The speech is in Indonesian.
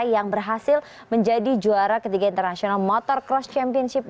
yang berhasil menjadi juara ketiga internasional motorcross championship